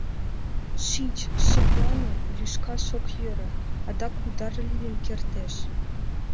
— Шич, шыплане, лӱшкаш ок йӧрӧ... адак удар лийын кертеш...